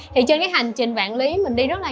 thì trên cái hành trình vạn lý mình đi rất là